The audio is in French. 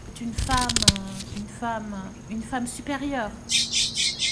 C'est une femme … une femme … une femme supérieure !